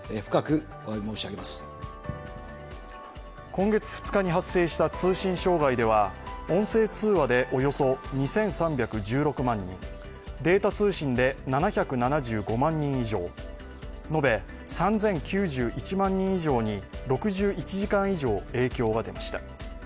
今月２日に発生した通信障害では音声通話でおよそ２３１６万人、データ通信で７７５万人以上、延べ３０９１万人以上に６１時間以上影響が出ました。